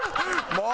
もう！